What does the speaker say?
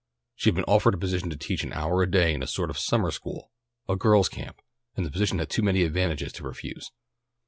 She had been offered a position to teach an hour a day in a sort of summer school, a girls' camp, and the position had too many advantages to refuse.